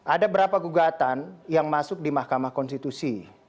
ada berapa gugatan yang masuk di mahkamah konstitusi